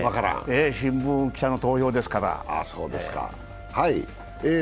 新聞記者の投票ですから。